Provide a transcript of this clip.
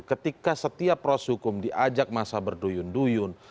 ketika setiap proses hukum diajak masa berduyun duyun